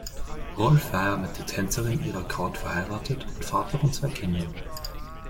Rolf Weih war mit der Tänzerin Ira Kraut verheiratet und Vater von zwei Kindern.